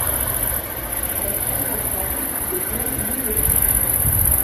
Elles prennent la forme de plinthes moulurées.